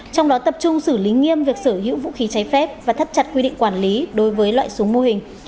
trong đó tập trung xử lý nghiêm việc sở hữu vũ khí cháy phép và thắt chặt quy định quản lý đối với loại súng mô hình